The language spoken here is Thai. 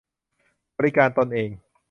บริการตนเอง